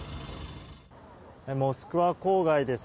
モスクワ郊外です。